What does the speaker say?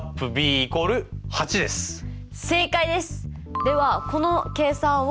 正解です！